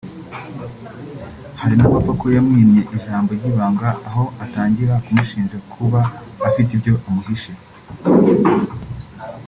Hari n’abapfa ko yamwimye ijambo ry’ibanga aho atangira kumushinja kuba afite ibyo amuhishe